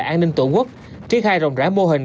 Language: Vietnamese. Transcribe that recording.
an ninh tổ quốc tri khai rộng rã mô hình